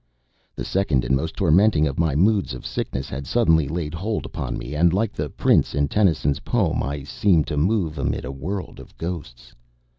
The second and most tormenting of my moods of sickness had suddenly laid hold upon me, and like the Prince in Tennyson's poem, "I seemed to move amid a world of ghosts."